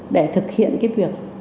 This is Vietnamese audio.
để thực hiện cái việc